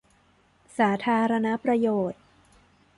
สาธารณประโยชน์